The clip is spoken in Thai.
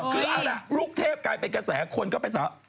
คืออะไรล่ะลูกเทพกลายเป็นกระแสคนก็ไปสาว